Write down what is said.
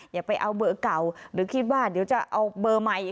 อย่าไปเอาเบอร์เก่าหรือคิดว่าเดี๋ยวจะเอาเบอร์ใหม่